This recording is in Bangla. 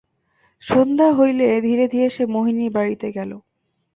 সন্ধ্যা হইলে ধীরে ধীরে সে মোহিনীর বাড়িতে গেল।